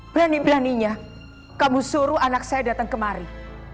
berani beraninya kamu suruh anak saya datang kemari